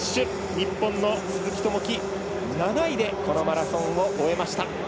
日本の鈴木朋樹、７位でこのマラソンを終えました。